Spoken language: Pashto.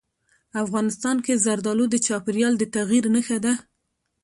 افغانستان کې زردالو د چاپېریال د تغیر نښه ده.